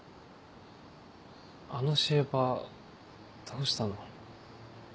あのシェーバーどうしたの？